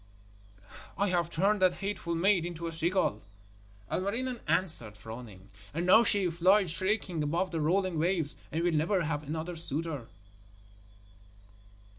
'I have turned that hateful maid into a seagull,' Ilmarinen answered, frowning, 'and now she flies shrieking above the rolling waves, and will never have another suitor.'